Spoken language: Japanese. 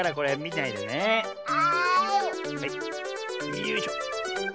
よいしょ。